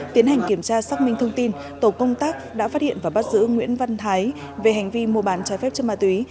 tiến hành kiểm tra xác minh thông tin tổ công tác đã phát hiện và bắt giữ nguyễn văn thái về hành vi mua bán trái phép chất ma túy